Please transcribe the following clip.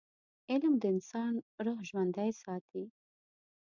علم د انسان روح ژوندي ساتي.